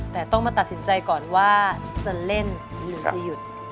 แต่ต้องมาตัดสินใจก่อนว่าจะเล่นหรือจะหยุด